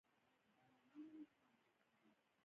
مننه استاده نن مو ډیر نوي شیان زده کړل